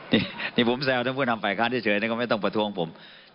นี่ผมแซวท่านผู้นำฝ่ายค้านเฉยก็ไม่ต้องประท้วงผม